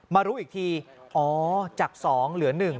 มารู้อีกทีอ๋อจากสองเหลือหนึ่ง